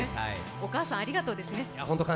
お母さんありがとうですね。